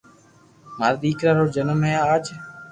مارا ديڪرا رو جنم دن ھي آج